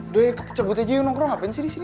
duh ya kita cabut aja yuk nongkrong apaan sih di sini